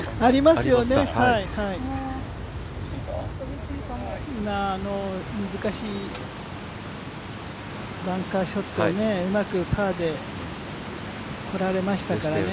ありますよね、難しいバンカーショットをね、うまくパーでとられましたからね。